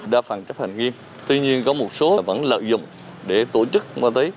đa phần chấp hành nghiêm tuy nhiên có một số vẫn lợi dụng để tổ chức ma túy